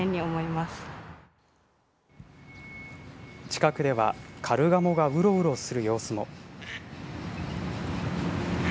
近くではカルガモがうろうろする様子も。